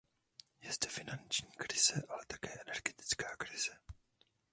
Je zde finanční krize, ale také energetická krize.